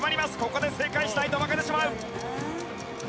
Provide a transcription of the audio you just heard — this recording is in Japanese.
ここで正解しないと負けてしまう！